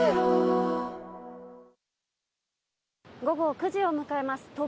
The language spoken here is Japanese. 午後９時を迎えます